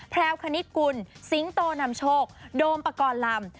แพรวคณิตกุลสิงโตนำโชคโดมปกรณ์ลำ